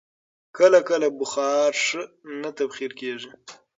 کله کله بخار ښه نه تبخیر کېږي.